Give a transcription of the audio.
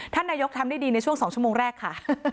ท่านนายกทำได้ดีในช่วง๒ชั่วโมงแรกค่ะ